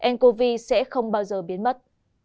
ncov sẽ không bao giờ biến mất